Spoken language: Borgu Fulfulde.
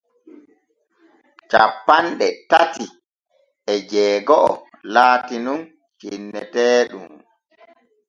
Cappanɗe tati e jeego’o laati nun cenneteeɗum.